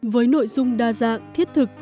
với nội dung đa dạng thiết thực